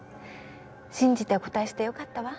信じてお答えしてよかったわ。